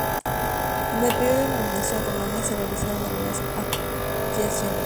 En el período de dominación romana se realizaron algunas ampliaciones.